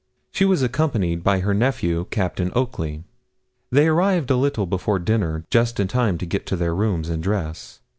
She was accompanied by her nephew, Captain Oakley. They arrived a little before dinner; just in time to get to their rooms and dress.